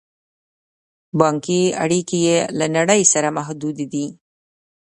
بانکي اړیکې یې له نړۍ سره محدودې دي.